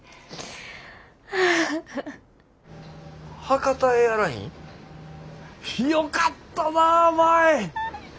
ハカタエアライン？よかったなぁ舞！